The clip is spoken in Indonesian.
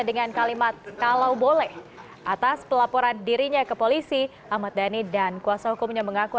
dengan kalimat kalau boleh atas pelaporan dirinya ke polisi ahmad dhani dan kuasa hukumnya mengaku